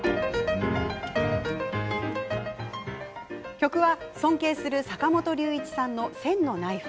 曲は、尊敬する坂本龍一さんの「千のナイフ」。